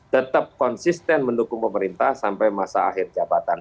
tetap konsisten mendukung pemerintah sampai masa akhir jabatan